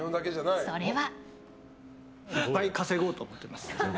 それは。